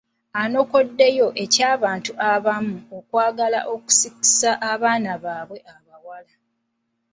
Anokoddeyo eky'abantu abamu okwagala okusikisa abaana baabwe abawala.